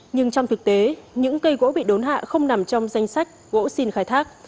nhưng trong thực tế những cây gỗ bị đốn hạ không nằm trong danh sách gỗ xin khai thác